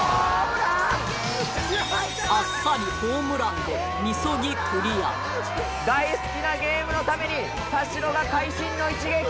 あっさりホームランで大好きなゲームのために田代が会心の一撃！